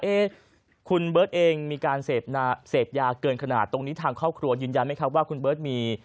เอ๊ะคุณเบิร์ตเองมีการเสพยาเกินขนาดตรงนี้ทางครอบครัวยืนยันไหมครับว่าคุณเบิร์ตมี